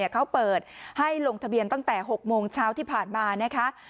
เขาเปิดให้ลงทะเบียนตั้งแต่๖โมงเช้าที่ผ่านมานะคะ